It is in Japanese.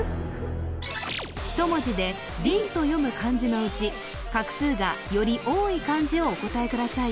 ひと文字で「リン」と読む漢字のうち画数がより多い漢字をお答えください